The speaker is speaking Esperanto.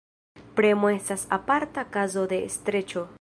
Premo estas aparta kazo de streĉo.